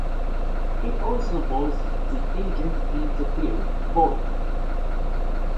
He also voiced The Agent in the film "Bolt".